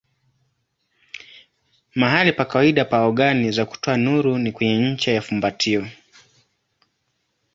Mahali pa kawaida pa ogani za kutoa nuru ni kwenye ncha ya fumbatio.